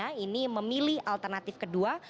yang mencari alternatif kedua